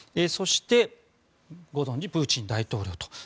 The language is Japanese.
そしてご存じプーチン大統領と。